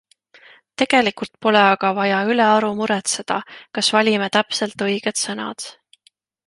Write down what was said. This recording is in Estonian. Tegelikult pole aga vaja ülearu muretseda, kas valime täpselt õiged sõnad.